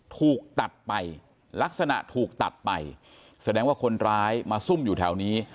ถูกตัดไปลักษณะถูกตัดไปแสดงว่าคนร้ายมาซุ่มอยู่แถวนี้